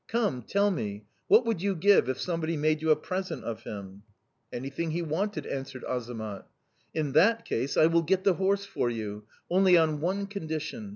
Come, tell me, what would you give if somebody made you a present of him?' "'Anything he wanted,' answered Azamat. "'In that case I will get the horse for you, only on one condition...